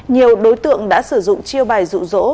nhiều đối tượng đã sử dụng chiêu bài rủ rỗ